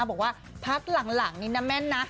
บอกว่าพักหลังนี่นะแม่นนะ